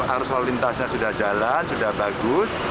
arus lalu lintasnya sudah jalan sudah bagus